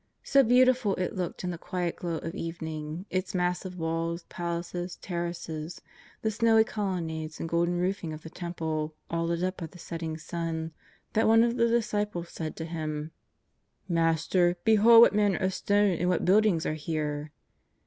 So beautiful it looked in the quiet glow of evening, its massive walls, palaces, terraces, the snowy colonnades and golden roofing of the Temple, all lit up by the setting sun, that one of the disciples said to Him :'^ Master, behold what manner of stones and what buildings are here.''